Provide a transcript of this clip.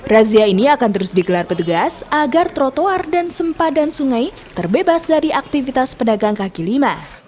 razia ini akan terus digelar petugas agar trotoar dan sempadan sungai terbebas dari aktivitas pedagang kaki lima